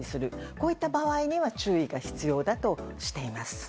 こういった場合には注意が必要だとしています。